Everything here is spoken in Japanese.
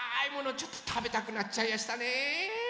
ちょっとたべたくなっちゃいやしたねえ。